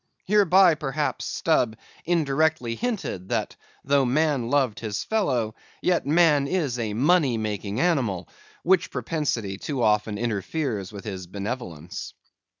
Hereby perhaps Stubb indirectly hinted, that though man loved his fellow, yet man is a money making animal, which propensity too often interferes with his benevolence.